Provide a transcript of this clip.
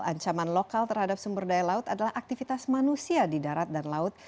ancaman lokal terhadap sumber daya laut adalah aktivitas manusia di darat dan laut